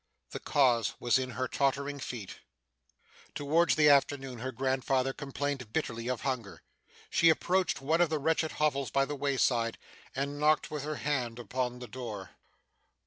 the cause was in her tottering feet. Towards the afternoon, her grandfather complained bitterly of hunger. She approached one of the wretched hovels by the way side, and knocked with her hand upon the door.